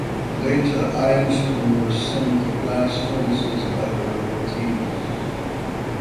Later ironstone was sent to blast furnaces by the River Tees.